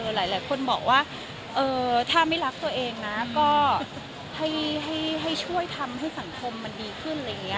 หลายคนบอกว่าถ้าไม่รักตัวเองนะก็ให้ช่วยทำให้สังคมมันดีขึ้นอะไรอย่างนี้